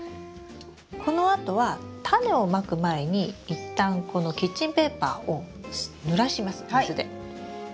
このあとはタネをまく前に一旦このキッチンペーパーをぬらします水で。